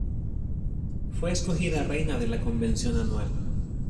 Fue escogida reina de la convención anual.